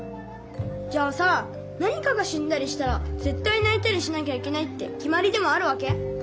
じゃあさ何かがしんだりしたらぜったいないたりしなきゃいけないってきまりでもあるわけ？